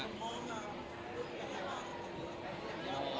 ม้อเหล่า